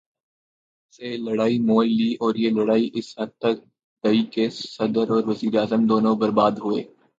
سے لڑائی مول لی اور یہ لڑائی اس حد تک گئی کہ صدر اور وزیر اعظم دونوں برباد ہوئے۔